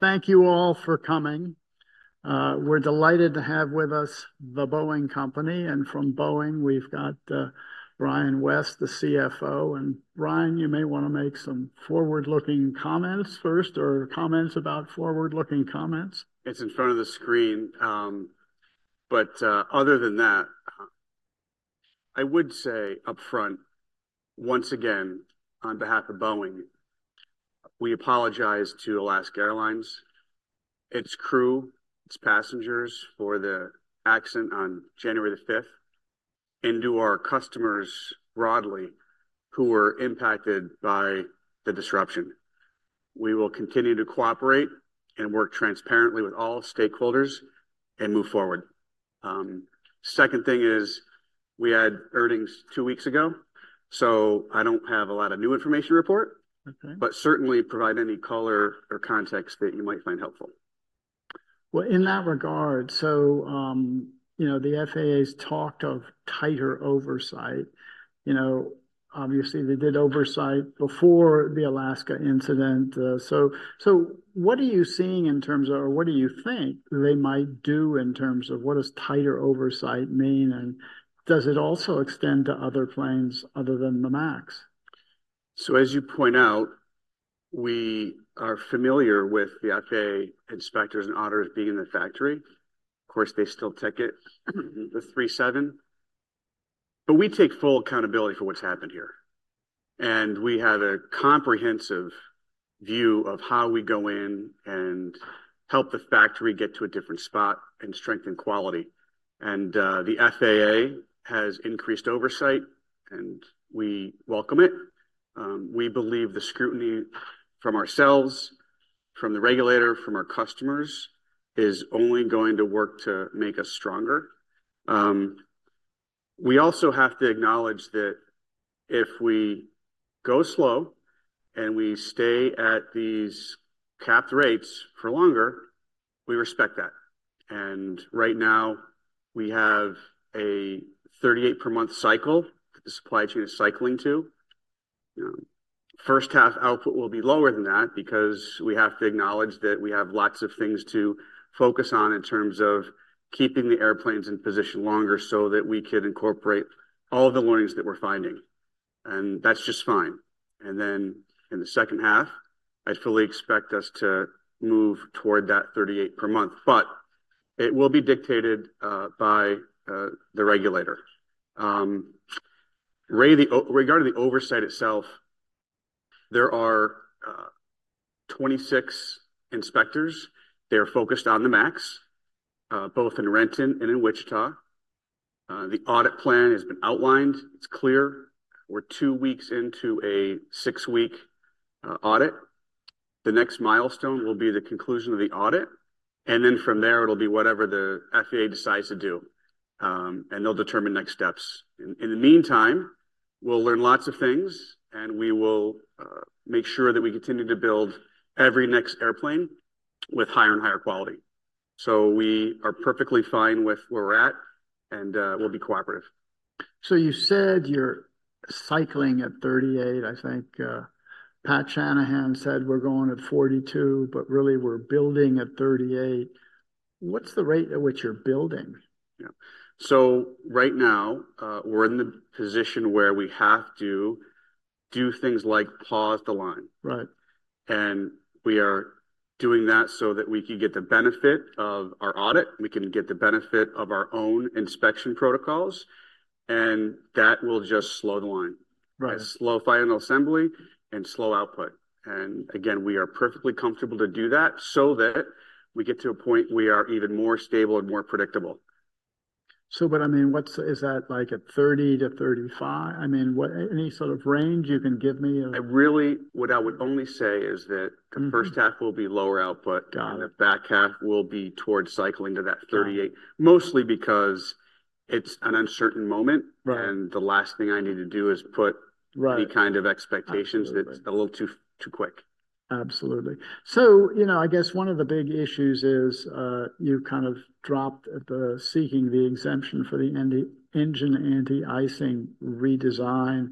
Thank you all for coming. We're delighted to have with us the Boeing Company, and from Boeing, we've got, Brian West, the CFO. And Brian, you may wanna make some forward-looking comments first or comments about forward-looking comments? It's in front of the screen. But other than that, I would say upfront, once again, on behalf of Boeing, we apologize to Alaska Airlines, its crew, its passengers, for the accident on January 5, and to our customers broadly who were impacted by the disruption. We will continue to cooperate and work transparently with all stakeholders and move forward. Second thing is we had earnings two weeks ago, so I don't have a lot of new information to report- Okay. but certainly provide any color or context that you might find helpful. Well, in that regard, so, you know, the FAA's talked of tighter oversight. You know, obviously, they did oversight before the Alaska incident, so, so what are you seeing in terms of, or what do you think they might do in terms of what does tighter oversight mean? And does it also extend to other planes other than the MAX? So, as you point out, we are familiar with the FAA inspectors and auditors being in the factory. Of course, they still ticket the 737, but we take full accountability for what's happened here. We have a comprehensive view of how we go in and help the factory get to a different spot and strengthen quality. The FAA has increased oversight, and we welcome it. We believe the scrutiny from ourselves, from the regulator, from our customers, is only going to work to make us stronger. We also have to acknowledge that if we go slow and we stay at these capped rates for longer, we respect that. Right now, we have a 38 per month cycle the supply chain is cycling to. First half output will be lower than that because we have to acknowledge that we have lots of things to focus on in terms of keeping the airplanes in position longer so that we can incorporate all of the learnings that we're finding, and that's just fine. And then in the second half, I fully expect us to move toward that 38 per month, but it will be dictated by the regulator. Regarding the oversight itself, there are 26 inspectors. They are focused on the MAX, both in Renton and in Wichita. The audit plan has been outlined. It's clear. We're two weeks into a six week audit. The next milestone will be the conclusion of the audit, and then from there, it'll be whatever the FAA decides to do, and they'll determine next steps. In the meantime, we'll learn lots of things, and we will make sure that we continue to build every next airplane with higher and higher quality. So we are perfectly fine with where we're at, and we'll be cooperative. So you said you're cycling at 38. I think, Pat Shanahan said, "We're going at 42, but really we're building at 38." What's the rate at which you're building? Yeah. So right now, we're in the position where we have to do things like pause the line. Right. We are doing that so that we can get the benefit of our audit. We can get the benefit of our own inspection protocols, and that will just slow the line. Right. Slow final assembly and slow output. And again, we are perfectly comfortable to do that so that we get to a point we are even more stable and more predictable. So, but I mean, what's... Is that, like, at 30-35? I mean, what, any sort of range you can give me of- What I would only say is that- Mm-hmm... the first half will be lower output- Got it... and the back half will be towards cycling to that 38. Got it. Mostly because it's an uncertain moment. Right. The last thing I need to do is put- Right... any kind of expectations- Absolutely... that's a little too, too quick. Absolutely. So, you know, I guess one of the big issues is, you kind of dropped out of seeking the exemption for the engine anti-icing redesign.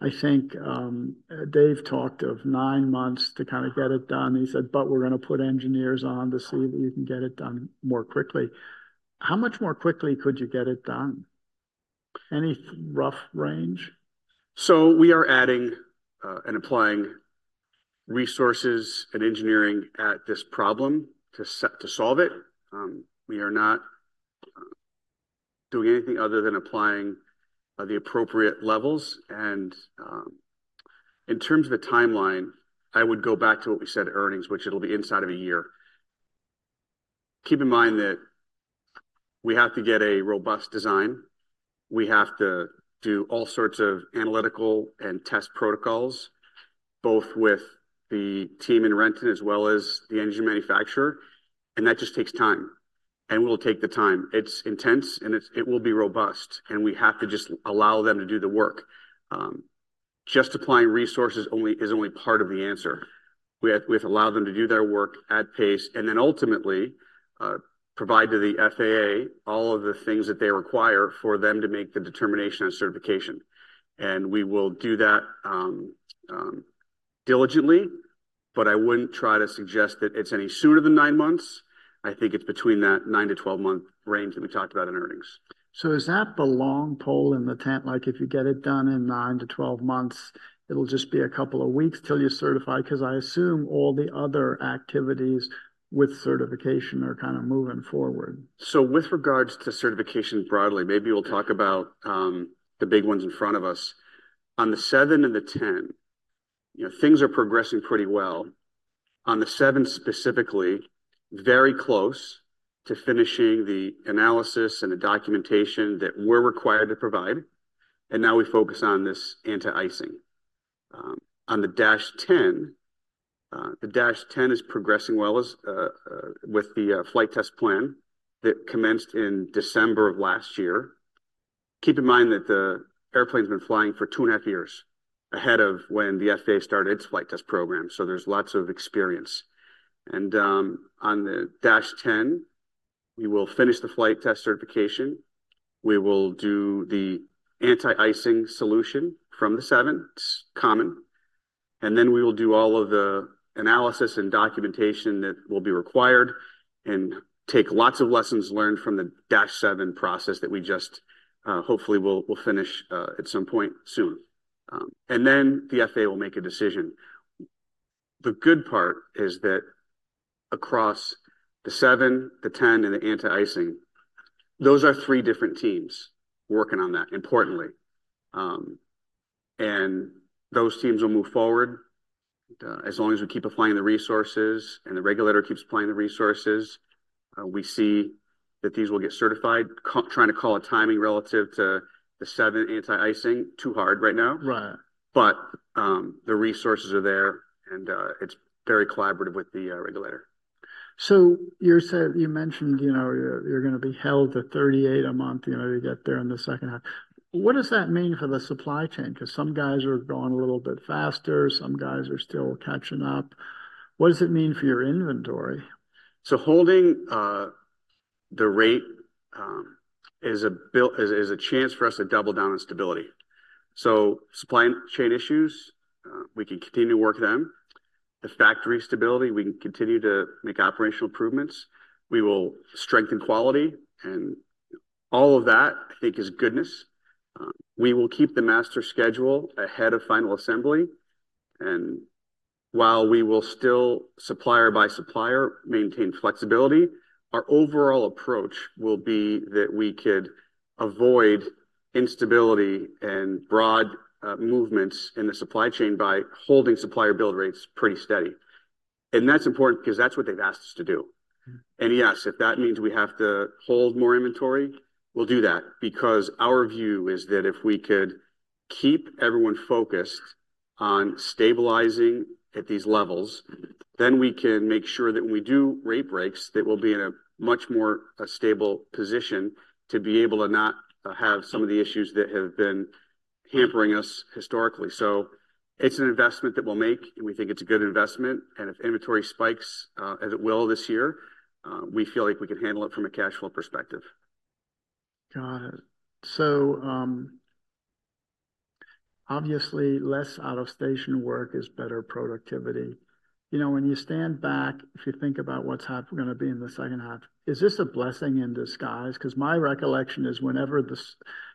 I think, Dave talked of nine months to kind of get it done. He said, "But we're gonna put engineers on to see if we can get it done more quickly." How much more quickly could you get it done? Any rough range? So we are adding, and applying resources and engineering at this problem to solve it. We are not doing anything other than applying the appropriate levels. And in terms of the timeline, I would go back to what we said earnings, which it'll be inside of a year. Keep in mind that we have to get a robust design. We have to do all sorts of analytical and test protocols, both with the team in Renton as well as the engine manufacturer, and that just takes time, and we'll take the time. It's intense, and it's, it will be robust, and we have to just allow them to do the work. Just applying resources only is only part of the answer. We have to allow them to do their work at pace and then ultimately provide to the FAA all of the things that they require for them to make the determination on certification. And we will do that diligently, but I wouldn't try to suggest that it's any sooner than nine months. I think it's between that 9-12 month range that we talked about in earnings. So is that the long pole in the tent? Like, if you get it done in 9-12 months, it'll just be a couple of weeks till you certify? 'Cause I assume all the other activities with certification are kind of moving forward. So with regards to certification broadly, maybe we'll talk about the big ones in front of us. On the 737-7 and the 737-10, you know, things are progressing pretty well. On the 737-7 specifically, very close to finishing the analysis and the documentation that we're required to provide, and now we focus on this anti-icing. On the 737-10, the 737-10 is progressing well as with the flight test plan that commenced in December of last year. Keep in mind that the airplane's been flying for two and a half years ahead of when the FAA started its flight test program, so there's lots of experience. On the 737-10, we will finish the flight test certification, we will do the anti-icing solution from the 737-7, it's common, and then we will do all of the analysis and documentation that will be required, and take lots of lessons learned from the 737-7 process that we just hopefully will finish at some point soon. And then the FAA will make a decision. The good part is that across the 737-7, the 737-10, and the anti-icing, those are three different teams working on that, importantly. And those teams will move forward as long as we keep applying the resources and the regulator keeps applying the resources, we see that these will get certified. See, trying to call a timing relative to the 737-7 anti-icing, too hard right now. Right. But, the resources are there, and, it's very collaborative with the regulator. So you said, you mentioned, you know, you're, you're gonna be held to 38 a month, you know, to get there in the second half. What does that mean for the supply chain? 'Cause some guys are going a little bit faster, some guys are still catching up. What does it mean for your inventory? So holding the rate is a chance for us to double down on stability. Supply chain issues, we can continue to work them. The factory stability, we can continue to make operational improvements. We will strengthen quality, and all of that, I think, is goodness. We will keep the master schedule ahead of final assembly, and while we will still, supplier by supplier, maintain flexibility, our overall approach will be that we could avoid instability and broad movements in the supply chain by holding supplier build rates pretty steady. And that's important because that's what they've asked us to do. Mm-hmm. Yes, if that means we have to hold more inventory, we'll do that, because our view is that if we could keep everyone focused on stabilizing at these levels, then we can make sure that when we do rate breaks, that we'll be in a much more stable position to be able to not have some of the issues that have been hampering us historically. So it's an investment that we'll make, and we think it's a good investment, and if inventory spikes, as it will this year, we feel like we can handle it from a cash flow perspective. Got it. So, obviously, less out-of-station work is better productivity. You know, when you stand back, if you think about what's gonna be in the second half, is this a blessing in disguise? 'Cause my recollection is whenever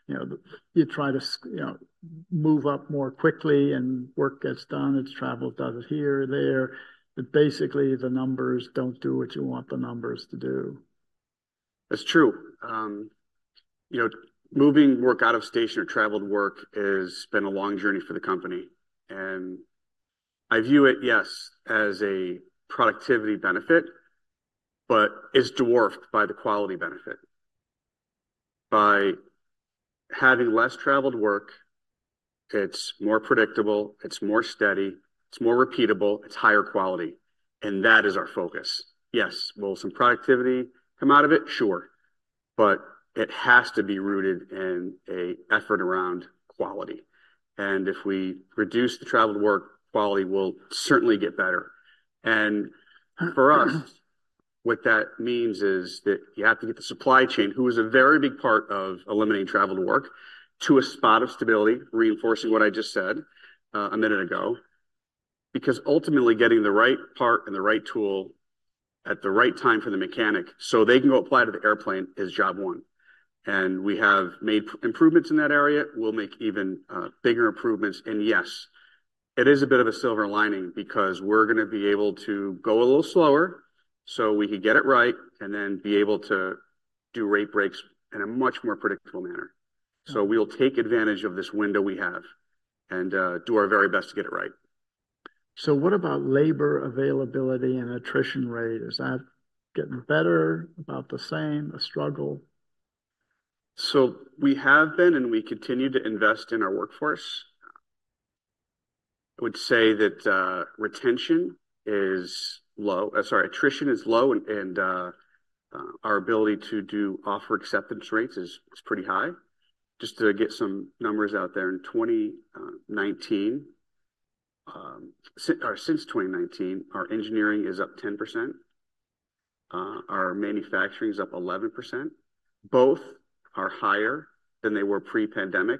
you know, you try to you know, move up more quickly and work gets done, it's traveled, done here, there, but basically, the numbers don't do what you want the numbers to do. That's true. You know, moving work out of station or traveled work has been a long journey for the company, and I view it, yes, as a productivity benefit, but it's dwarfed by the quality benefit. By having less traveled work, it's more predictable, it's more steady, it's more repeatable, it's higher quality, and that is our focus. Yes, will some productivity come out of it? Sure, but it has to be rooted in a effort around quality. And if we reduce the traveled work, quality will certainly get better. And for us, what that means is that you have to get the supply chain, who is a very big part of eliminating traveled work, to a spot of stability, reinforcing what I just said, a minute ago. Because ultimately, getting the right part and the right tool at the right time for the mechanic, so they can go apply to the airplane, is job one. We have made improvements in that area. We'll make even bigger improvements. And yes, it is a bit of a silver lining because we're gonna be able to go a little slower, so we can get it right, and then be able to do rate breaks in a much more predictable manner. Yeah. So we'll take advantage of this window we have, and do our very best to get it right. So what about labor availability and attrition rate? Is that getting better, about the same, a struggle? So we have been, and we continue to invest in our workforce. I would say that retention is low, sorry, attrition is low, and our ability to do offer acceptance rates is pretty high. Just to get some numbers out there, in 2019, or since 2019, our engineering is up 10%, our manufacturing is up 11%. Both are higher than they were pre-pandemic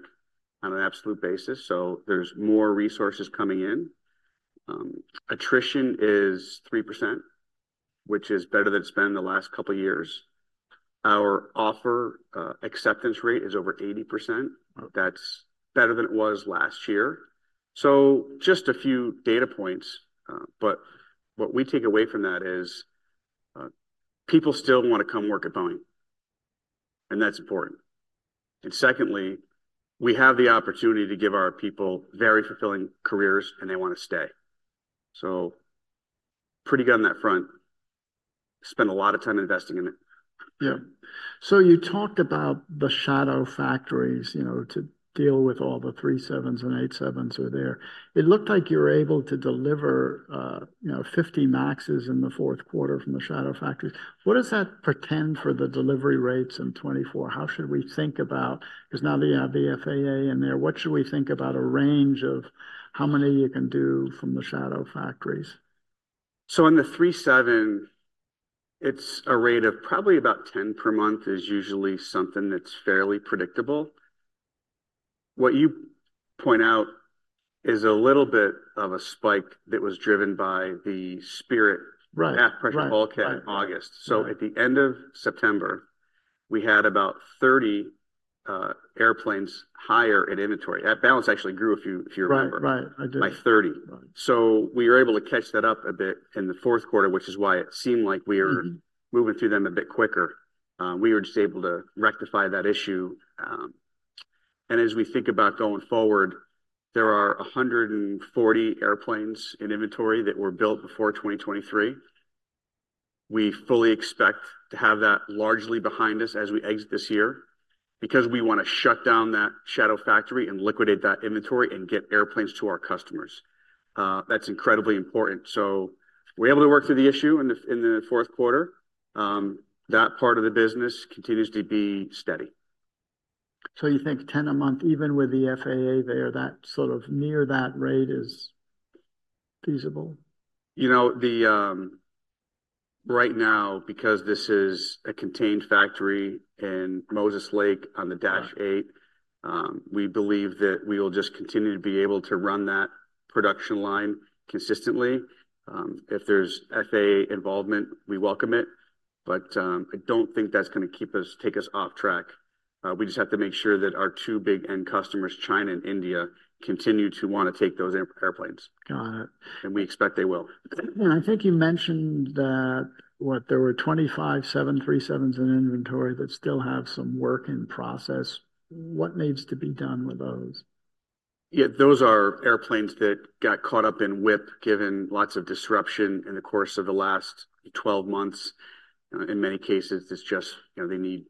on an absolute basis, so there's more resources coming in. Attrition is 3%, which is better than it's been the last couple years. Our offer acceptance rate is over 80%. Mm. That's better than it was last year. So just a few data points, but what we take away from that is, people still want to come work at Boeing, and that's important. And secondly, we have the opportunity to give our people very fulfilling careers, and they want to stay. So pretty good on that front. Spent a lot of time investing in it. Yeah. So you talked about the shadow factories, you know, to deal with all the 777s and 787s are there. It looked like you were able to deliver, you know, 50 MAXs in the fourth quarter from the shadow factories. What does that portend for the delivery rates in 2024? How should we think about, because now that you have the FAA in there, what should we think about a range of how many you can do from the shadow factories? So on the 737, it's a rate of probably about 10 per month is usually something that's fairly predictable. What you point out is a little bit of a spike that was driven by the Spirit- Right, right. Aft pressure bulkhead in August. Right. At the end of September, we had about 30 airplanes higher in inventory. That balance actually grew, if you remember- Right, right, I do.... by 30. Right. We were able to catch that up a bit in the fourth quarter, which is why it seemed like we were- Mm-hmm -moving through them a bit quicker. We were just able to rectify that issue, and as we think about going forward, there are 140 airplanes in inventory that were built before 2023. We fully expect to have that largely behind us as we exit this year, because we want to shut down that shadow factory and liquidate that inventory and get airplanes to our customers. That's incredibly important. So we're able to work through the issue in the fourth quarter. That part of the business continues to be steady. So you think 10 a month, even with the FAA there, that sort of near that rate is feasible? You know, right now, because this is a contained factory in Moses Lake on the 737-8- Right... we believe that we will just continue to be able to run that production line consistently. If there's FAA involvement, we welcome it, but I don't think that's gonna keep us take us off track. We just have to make sure that our two big end customers, China and India, continue to want to take those airplanes. Got it. We expect they will. I think you mentioned that, what, there were 25 737s in inventory that still have some work in process. What needs to be done with those? Yeah, those are airplanes that got caught up in WIP, given lots of disruption in the course of the last 12 months. In many cases, it's just, you know, they need...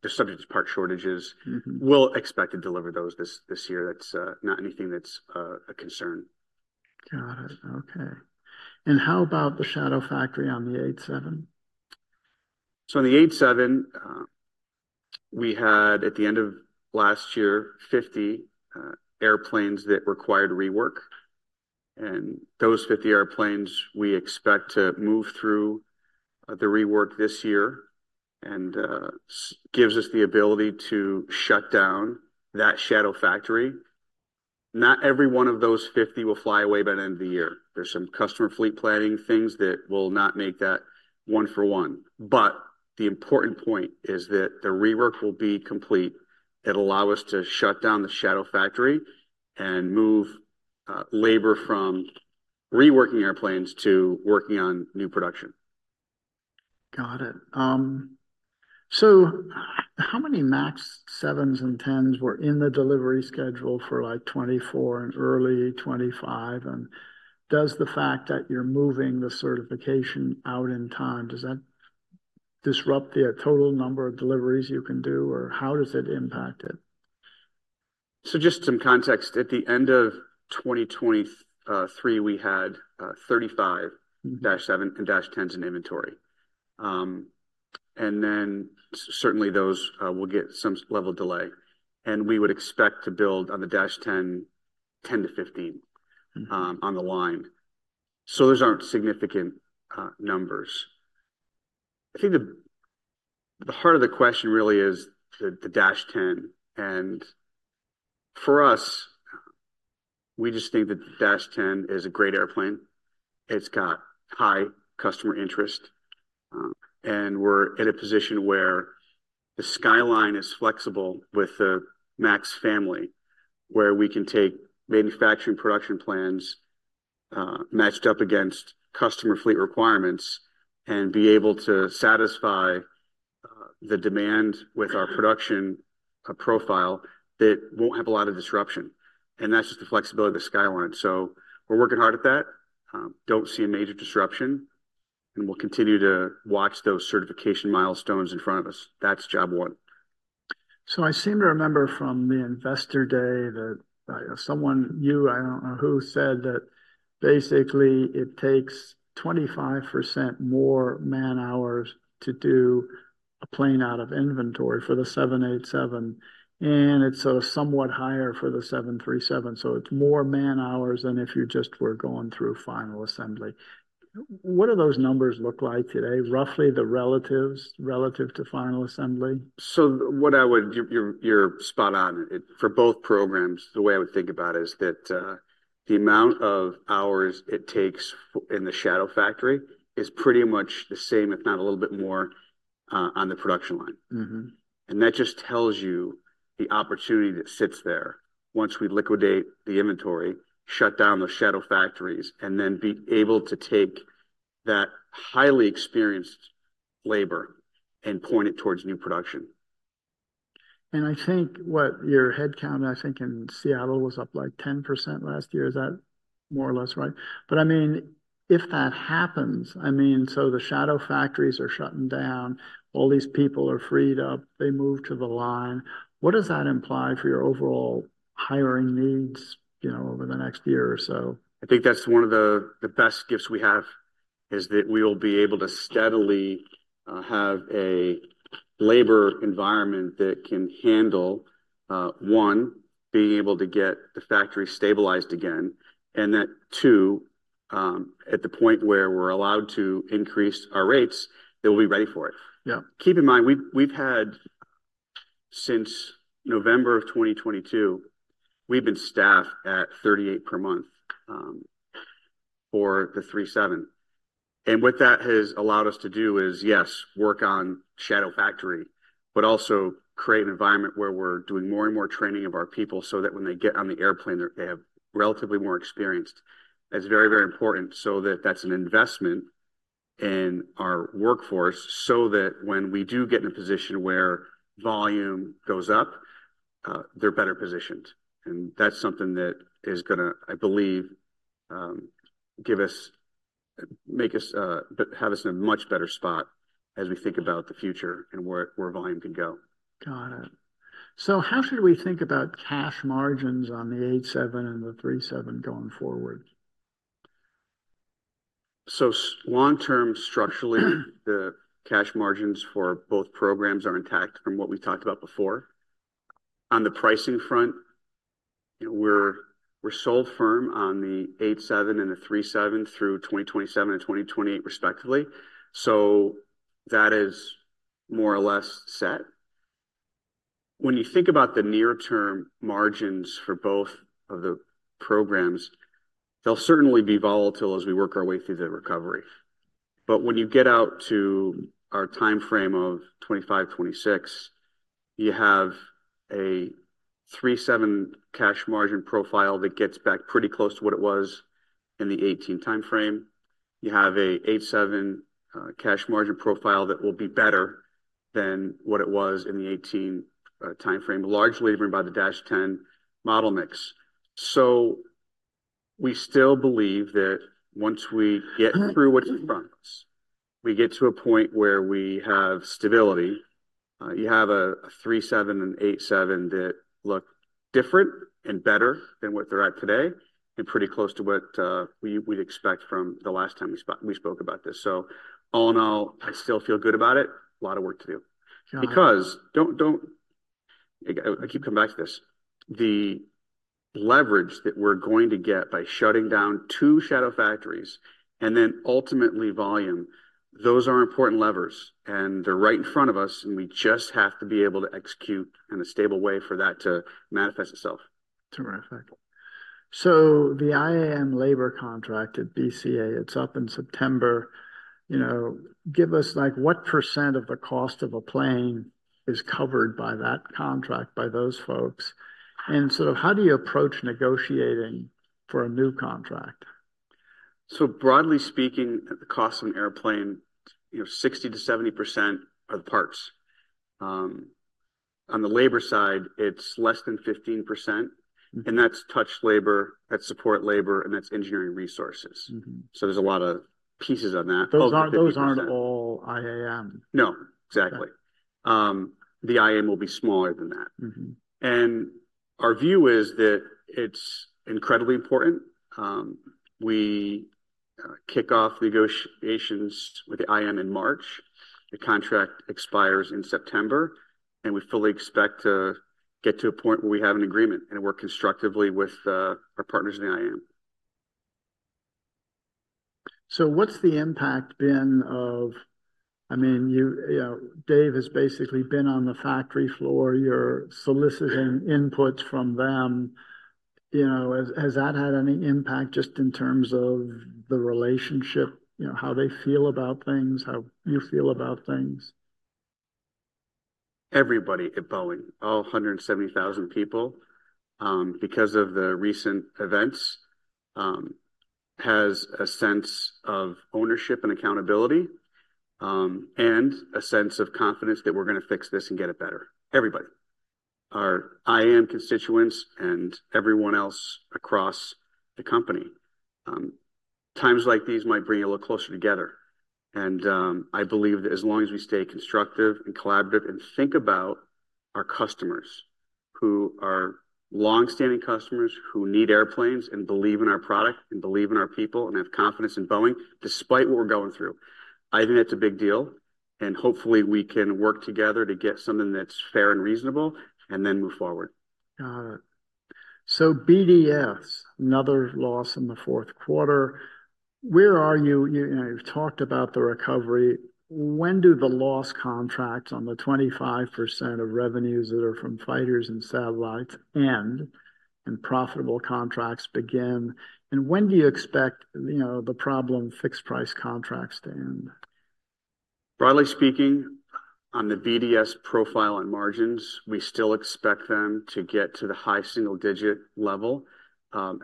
you know, they're subject to part shortages. Mm-hmm. We'll expect to deliver those this year. That's not anything that's a concern. Got it. Okay. And how about the shadow factory on the 787? So on the 787, we had, at the end of last year, 50 airplanes that required rework, and those 50 airplanes we expect to move through the rework this year, and gives us the ability to shut down that shadow factory. Not every one of those 50 will fly away by the end of the year. There's some customer fleet planning things that will not make that one for one. But the important point is that the rework will be complete. It'll allow us to shut down the shadow factory and move labor from reworking airplanes to working on new production. Got it. So how many MAX 737-7s and 787-10s were in the delivery schedule for, like, 2024 and early 2025? And does the fact that you're moving the certification out in time, does that disrupt the total number of deliveries you can do, or how does it impact it? So just some context. At the end of 2023, we had 35- Mm-hmm... 737-7s and 737-10s in inventory. And then certainly those will get some level of delay, and we would expect to build on the 737-10, 10-15- Mm-hmm... on the line. So those aren't significant numbers. I think the heart of the question really is the 737-10, and for us, we just think that the 737-10 is a great airplane. It's got high customer interest, and we're in a position where the skyline is flexible with the Max family, where we can take manufacturing production plans matched up against customer fleet requirements and be able to satisfy the demand with our production profile that won't have a lot of disruption, and that's just the flexibility of the skyline. So we're working hard at that. Don't see a major disruption, and we'll continue to watch those certification milestones in front of us. That's job one. So I seem to remember from the Investor Day that someone, you, I don't know who, said that basically it takes 25% more man hours to do a plane out of inventory for the 787, and it's sort of somewhat higher for the 737. So it's more man hours than if you just were going through final assembly. What do those numbers look like today? Roughly the relatives, relative to final assembly. So you're spot on. For both programs, the way I would think about is that the amount of hours it takes in the shadow factory is pretty much the same, if not a little bit more, on the production line. Mm-hmm. That just tells you the opportunity that sits there once we liquidate the inventory, shut down those shadow factories, and then be able to take that highly experienced labor and point it towards new production. I think what your headcount, I think in Seattle, was up, like, 10% last year. Is that more or less right? But I mean, if that happens, I mean, so the shadow factories are shutting down, all these people are freed up, they move to the line. What does that imply for your overall hiring needs, you know, over the next year or so? I think that's one of the best gifts we have, is that we will be able to steadily have a labor environment that can handle one, being able to get the factory stabilized again, and that two, at the point where we're allowed to increase our rates, they will be ready for it. Yeah. Keep in mind, we've had—since November 2022, we've been staffed at 38 per month for the 737. And what that has allowed us to do is, yes, work on shadow factory, but also create an environment where we're doing more and more training of our people so that when they get on the airplane, they're, they have relatively more experienced. That's very, very important so that that's an investment in our workforce, so that when we do get in a position where volume goes up, they're better positioned, and that's something that is gonna, I believe, give us... make us have us in a much better spot as we think about the future and where, where volume can go. Got it. So how should we think about cash margins on the 787 and the 737 going forward? So, long term, structurally, the cash margins for both programs are intact from what we talked about before. On the pricing front, we're sold firm on the 787 and the 737 through 2027 and 2028, respectively. So that is more or less set. When you think about the near-term margins for both of the programs, they'll certainly be volatile as we work our way through the recovery. But when you get out to our time frame of 2025-2026, you have a 737 cash margin profile that gets back pretty close to what it was in the 2018 time frame. You have a 787 cash margin profile that will be better than what it was in the 2018 time frame, largely driven by the 737-10 model mix. So we still believe that once we get through what's in front of us, we get to a point where we have stability. You have a 737 and 787 that look different and better than what they're at today, and pretty close to what we'd expect from the last time we spoke about this. So all in all, I still feel good about it. A lot of work to do. Got it. Because don't... I keep coming back to this. The leverage that we're going to get by shutting down two shadow factories and then ultimately volume, those are important levers, and they're right in front of us, and we just have to be able to execute in a stable way for that to manifest itself. Terrific. So the IAM labor contract at BCA, it's up in September. You know, give us, like, what percent of the cost of a plane is covered by that contract, by those folks? And sort of, how do you approach negotiating for a new contract? So broadly speaking, the cost of an airplane, you know, 60%-70% are the parts. On the labor side, it's less than 15%, and that's touch labor, that's support labor, and that's engineering resources. Mm-hmm. So there's a lot of pieces on that- Those aren't, those aren't all IAM. No, exactly. The IAM will be smaller than that. Mm-hmm. Our view is that it's incredibly important. We kick off negotiations with the IAM in March. The contract expires in September, and we fully expect to get to a point where we have an agreement and work constructively with our partners in the IAM. So what's the impact been of... I mean, you know, Dave has basically been on the factory floor. You're soliciting inputs from them. You know, has that had any impact just in terms of the relationship, you know, how they feel about things, how you feel about things? Everybody at Boeing, all 170,000 people, because of the recent events, has a sense of ownership and accountability, and a sense of confidence that we're gonna fix this and get it better. Everybody. Our IAM constituents and everyone else across the company, times like these might bring you a little closer together, and, I believe that as long as we stay constructive and collaborative and think about our customers, who are long-standing customers, who need airplanes and believe in our product, and believe in our people, and have confidence in Boeing, despite what we're going through. I think that's a big deal, and hopefully we can work together to get something that's fair and reasonable, and then move forward. Got it. So BDS, another loss in the fourth quarter. Where are you? You know, you've talked about the recovery. When do the loss contracts on the 25% of revenues that are from fighters and satellites end, and profitable contracts begin? And when do you expect, you know, the problem fixed-price contracts to end? Broadly speaking, on the BDS profile and margins, we still expect them to get to the high single-digit level,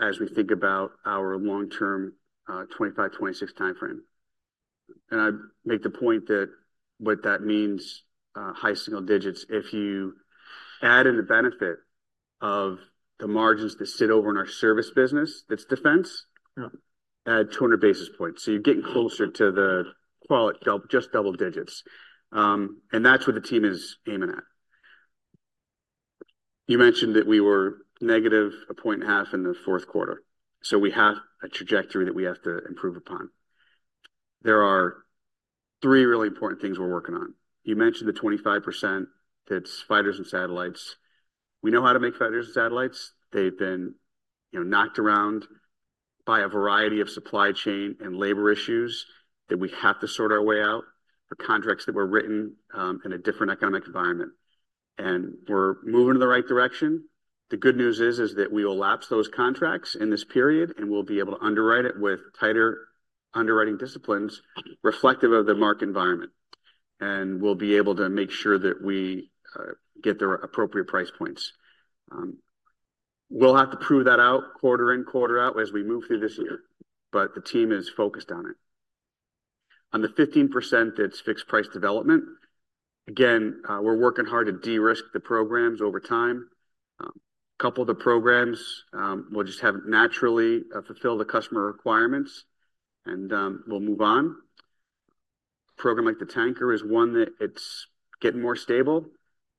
as we think about our long-term, 2025-2026 timeframe. And I'd make the point that what that means, high single digits, if you add in the benefit of the margins that sit over in our service business, that's defense- Yeah... add 200 basis points. So you're getting closer to the call it just double digits. And that's what the team is aiming at. You mentioned that we were negative a point and a half in the fourth quarter, so we have a trajectory that we have to improve upon. There are three really important things we're working on. You mentioned the 25%, that's fighters and satellites. We know how to make fighters and satellites. They've been, you know, knocked around by a variety of supply chain and labor issues that we have to sort our way out, the contracts that were written in a different economic environment. And we're moving in the right direction. The good news is, is that we will lapse those contracts in this period, and we'll be able to underwrite it with tighter underwriting disciplines reflective of the market environment. We'll be able to make sure that we get the appropriate price points. We'll have to prove that out quarter in, quarter out, as we move through this year. Yeah... but the team is focused on it. On the 15%, that's fixed-price development. Again, we're working hard to de-risk the programs over time. A couple of the programs will just have naturally fulfill the customer requirements, and we'll move on. A program like the Tanker is one that it's getting more stable,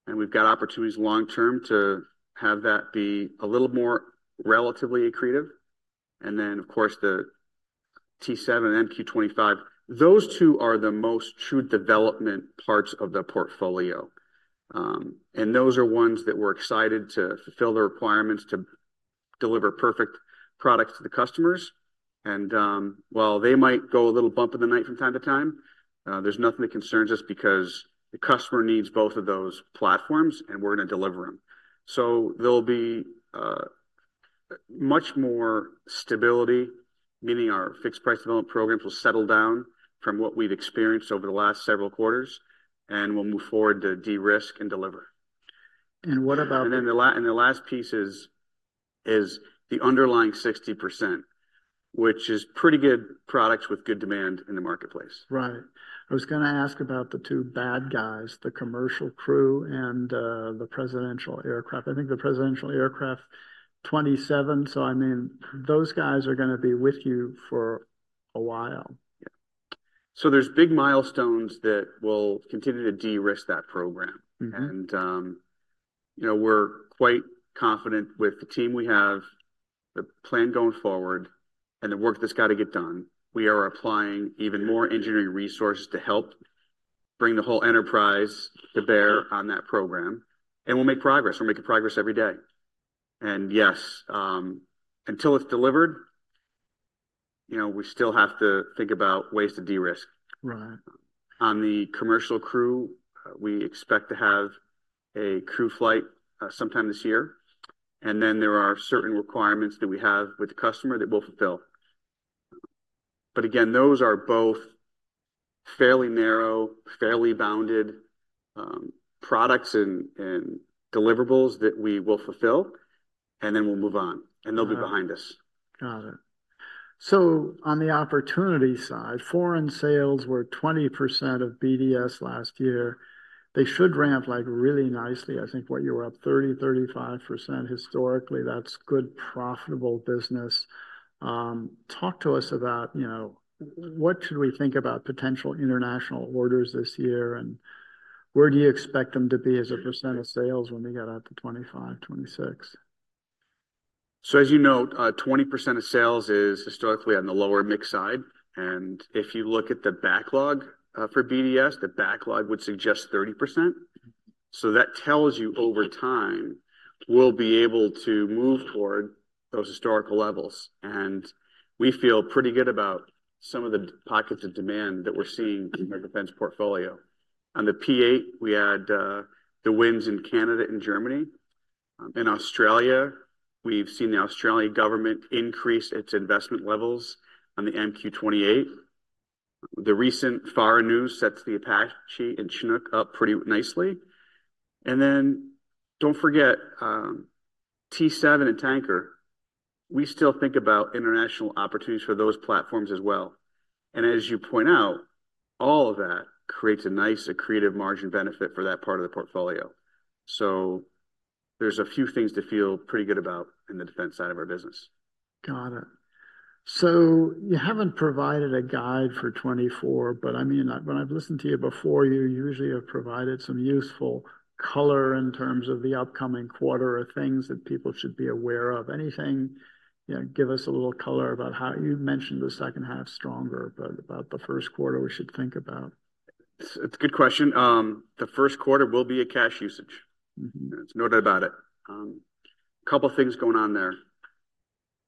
and we've got opportunities long term to have that be a little more relatively accretive. And then, of course, the T-7 and MQ-25, those two are the most true development parts of the portfolio. And those are ones that we're excited to fulfill the requirements to deliver perfect products to the customers. And while they might go a little bump in the night from time to time, there's nothing that concerns us because the customer needs both of those platforms, and we're going to deliver them. There'll be much more stability, meaning our fixed-price development programs will settle down from what we've experienced over the last several quarters, and we'll move forward to de-risk and deliver. And what about— And then the last piece is the underlying 60%, which is pretty good products with good demand in the marketplace. Right. I was going to ask about the two bad guys, the Commercial Crew and the Presidential Aircraft. I think the Presidential Aircraft, 2027, so I mean, those guys are going to be with you for a while. Yeah. So there's big milestones that will continue to de-risk that program. Mm-hmm. You know, we're quite confident with the team we have, the plan going forward, and the work that's got to get done. We are applying even more engineering resources to help bring the whole enterprise to bear on that program, and we'll make progress. We're making progress every day. Yes, until it's delivered, you know, we still have to think about ways to de-risk. Right. On the Commercial Crew, we expect to have a crew flight sometime this year, and then there are certain requirements that we have with the customer that we'll fulfill. But again, those are both fairly narrow, fairly bounded products and deliverables that we will fulfill, and then we'll move on, and they'll be behind us. Got it. So on the opportunity side, foreign sales were 20% of BDS last year. They should ramp, like, really nicely. I think, what, you were up 30%-35%. Historically, that's good, profitable business. Talk to us about, you know, what should we think about potential international orders this year, and where do you expect them to be as a percent of sales when we get out to 2025, 2026? So as you note, 20% of sales is historically on the lower mix side, and if you look at the backlog for BDS, the backlog would suggest 30%. So that tells you over time, we'll be able to move toward those historical levels. And we feel pretty good about some of the pockets of demand that we're seeing in the defense portfolio. On the P-8, we had the wins in Canada and Germany. In Australia, we've seen the Australian government increase its investment levels on the MQ-28. The recent FARA sets the Apache and Chinook up pretty nicely. And then don't forget, T-7 and Tanker, we still think about international opportunities for those platforms as well. And as you point out, all of that creates a nice accretive margin benefit for that part of the portfolio. There's a few things to feel pretty good about in the defense side of our business.... Got it. So you haven't provided a guide for 2024, but, I mean, when I've listened to you before, you usually have provided some useful color in terms of the upcoming quarter or things that people should be aware of. Anything, you know, give us a little color about how - You mentioned the second half stronger, but about the first quarter, we should think about? It's, it's a good question. The first quarter will be a cash usage. Mm-hmm. There's no doubt about it. A couple things going on there.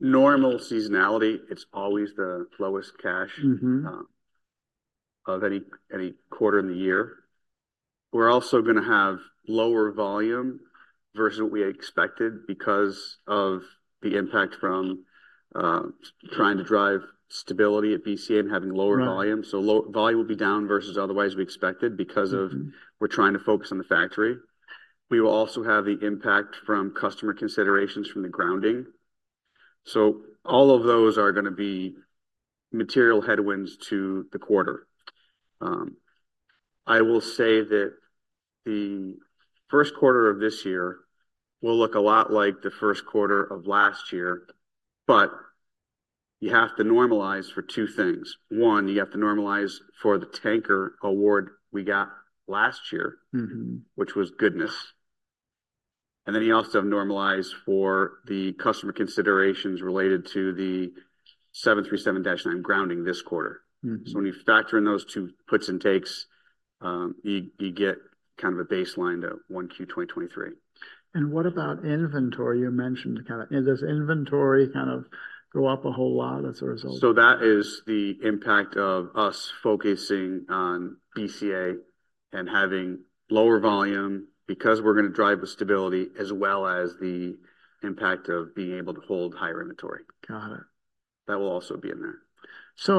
Normal seasonality, it's always the lowest cash- Mm-hmm... of any quarter in the year. We're also gonna have lower volume versus what we expected because of the impact from trying to drive stability at BCA and having lower volume. Right. So low volume will be down versus otherwise we expected because of- Mm-hmm... we're trying to focus on the factory. We will also have the impact from customer considerations from the grounding. So all of those are gonna be material headwinds to the quarter. I will say that the first quarter of this year will look a lot like the first quarter of last year, but you have to normalize for two things. One, you have to normalize for the Tanker award we got last year- Mm-hmm... which was goodness. And then you also have to normalize for the customer considerations related to the 737-9 grounding this quarter. Mm-hmm. When you factor in those two puts and takes, you get kind of a baseline to 1Q 2023. What about inventory? You mentioned kind of... Does inventory kind of go up a whole lot as a result? That is the impact of us focusing on BCA and having lower volume, because we're gonna drive the stability as well as the impact of being able to hold higher inventory. Got it. That will also be in there.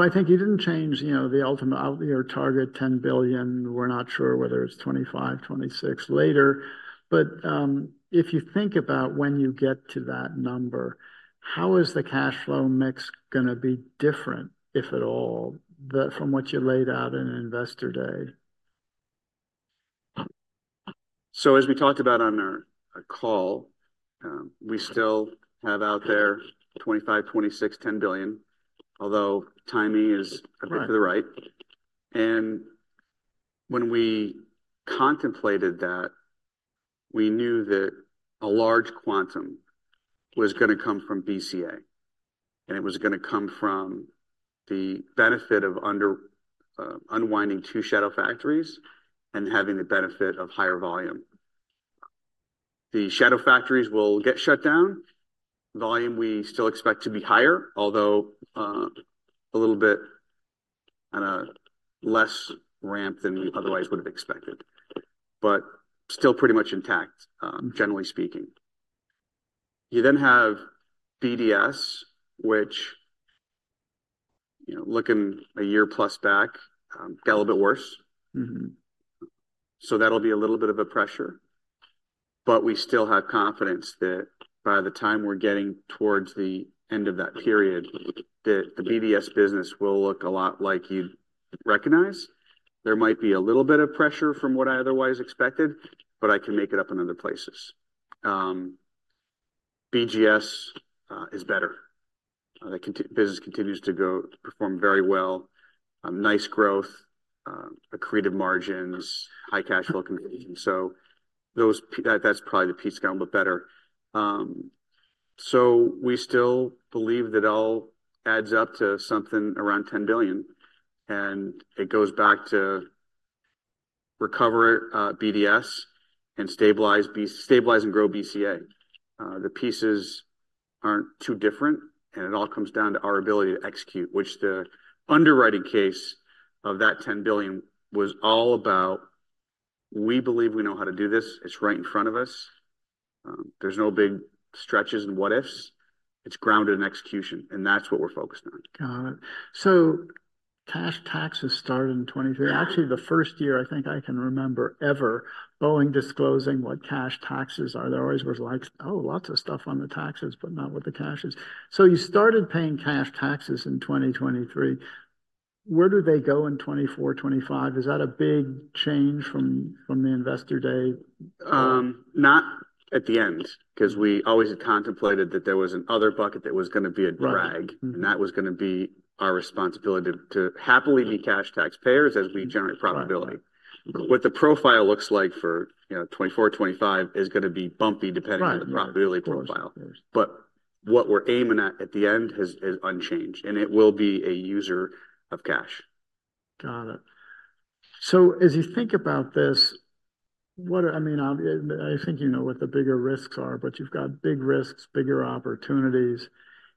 I think you didn't change, you know, the ultimate, your target, $10 billion. We're not sure whether it's 2025-2026 later, but if you think about when you get to that number, how is the cash flow mix gonna be different, if at all, than from what you laid out in Investor Day? So as we talked about on our call, we still have out there 2025-2026 $10 billion, although timing is- Right... to the right. When we contemplated that, we knew that a large quantum was gonna come from BCA, and it was gonna come from the benefit of unwinding two shadow factories and having the benefit of higher volume. The shadow factories will get shut down. Volume, we still expect to be higher, although a little bit on a less ramp than we otherwise would have expected, but still pretty much intact, generally speaking. You then have BDS, which, you know, looking a year plus back, got a little bit worse. Mm-hmm. So that'll be a little bit of a pressure, but we still have confidence that by the time we're getting towards the end of that period, that the BDS business will look a lot like you'd recognize. There might be a little bit of pressure from what I otherwise expected, but I can make it up in other places. BGS is better. The business continues to go, to perform very well. Nice growth, accretive margins, high cash flow conversion. So that's probably the piece going to look better. So we still believe that it all adds up to something around $10 billion, and it goes back to recover BDS and stabilize and grow BCA. The pieces aren't too different, and it all comes down to our ability to execute, which the underwriting case of that $10 billion was all about. We believe we know how to do this. It's right in front of us. There's no big stretches and what ifs. It's grounded in execution, and that's what we're focused on. Got it. So cash taxes started in 2023. Actually, the first year, I think I can remember ever Boeing disclosing what cash taxes are. There always was like, oh, lots of stuff on the taxes, but not what the cash is. So you started paying cash taxes in 2023. Where do they go in 2024-2025? Is that a big change from, from the Investor Day? Not at the end, 'cause we always contemplated that there was another bucket that was gonna be a drag- Right. Mm-hmm... and that was gonna be our responsibility to happily be cash taxpayers as we generate profitability. Right. What the profile looks like for, you know, 2024-2025 is gonna be bumpy depending- Right... on the profitability profile. Of course. What we're aiming at, at the end, is unchanged, and it will be a user of cash. Got it. So as you think about this, what, I mean, obvious, I think you know what the bigger risks are, but you've got big risks, bigger opportunities.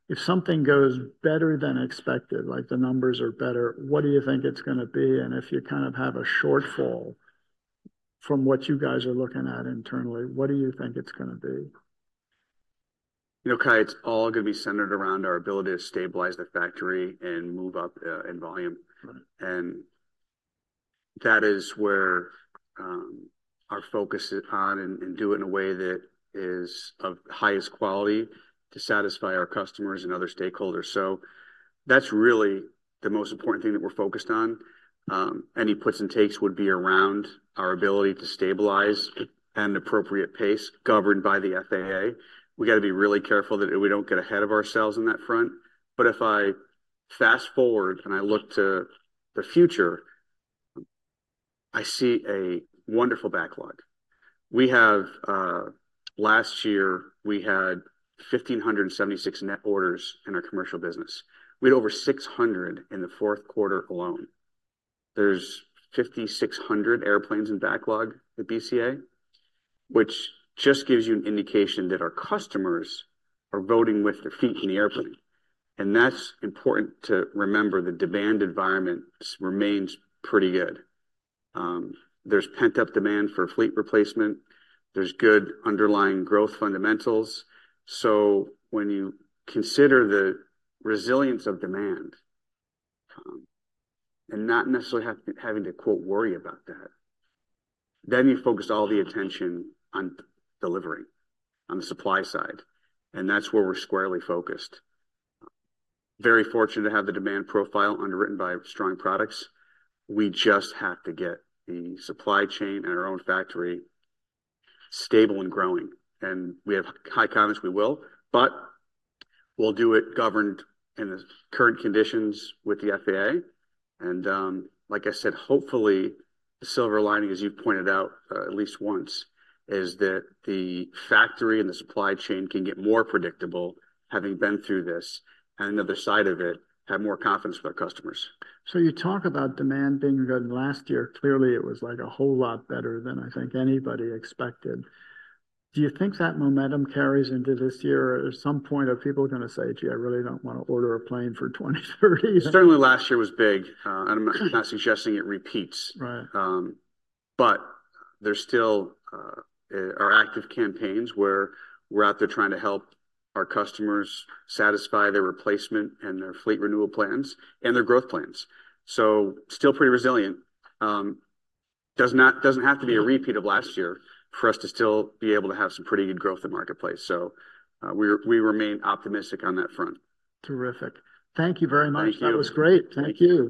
If something goes better than expected, like the numbers are better, what do you think it's gonna be? And if you kind of have a shortfall from what you guys are looking at internally, what do you think it's gonna be? You know, Cai, it's all gonna be centered around our ability to stabilize the factory and move up in volume. Right. And that is where our focus is on, and do it in a way that is of highest quality to satisfy our customers and other stakeholders. So that's really the most important thing that we're focused on. Any puts and takes would be around our ability to stabilize at an appropriate pace, governed by the FAA. We got to be really careful that we don't get ahead of ourselves on that front. But fast forward and I look to the future, I see a wonderful backlog. We have last year, we had 1,576 net orders in our commercial business. We had over 600 in the fourth quarter alone. There's 5,600 airplanes in backlog with BCA, which just gives you an indication that our customers are voting with their feet in the airplane, and that's important to remember. The demand environment remains pretty good. There's pent-up demand for fleet replacement. There's good underlying growth fundamentals. So when you consider the resilience of demand, and not necessarily having to, quote, "worry about that," then you focus all the attention on delivering, on the supply side, and that's where we're squarely focused. Very fortunate to have the demand profile underwritten by strong products. We just have to get the supply chain and our own factory stable and growing, and we have high confidence we will. But we'll do it governed in the current conditions with the FAA, and, like I said, hopefully the silver lining, as you've pointed out, at least once, is that the factory and the supply chain can get more predictable, having been through this, and another side of it, have more confidence with our customers. So you talk about demand being good, and last year, clearly, it was, like, a whole lot better than I think anybody expected. Do you think that momentum carries into this year, or at some point, are people gonna say, "Gee, I really don't wanna order a plane for 2030? Certainly last year was big, and I'm not, not suggesting it repeats. Right. But there's still our active campaigns, where we're out there trying to help our customers satisfy their replacement and their fleet renewal plans and their growth plans, so still pretty resilient. Doesn't have to be a repeat of last year for us to still be able to have some pretty good growth in the marketplace, so we remain optimistic on that front. Terrific. Thank you very much. Thank you. That was great. Thank you.